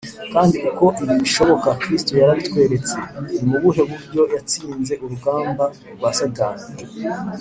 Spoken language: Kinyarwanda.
Kandi uko ibi bishoboka, Kristo yarabitweretse. Ni mu buhe buryo yatsinze urugamba rwa Satani?